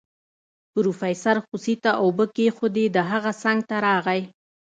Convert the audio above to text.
پروفيسر خوسي ته اوبه کېښودې د هغه څنګ ته راغی.